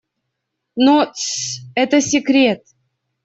Но... Тссс! - это секрет!